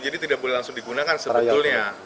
jadi tidak boleh langsung digunakan sebetulnya